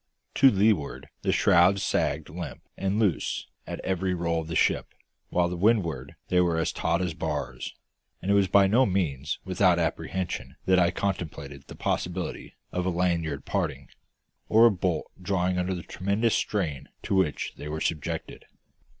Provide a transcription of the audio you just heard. To leeward the shrouds sagged limp and loose at every roll of the ship, while to windward they were as taut as bars; and it was by no means without apprehension that I contemplated the possibility of a lanyard parting, or a bolt drawing under the tremendous strain to which they were subjected.